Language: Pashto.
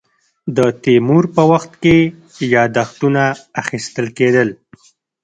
د تیمور په وخت کې یاداښتونه اخیستل کېدل.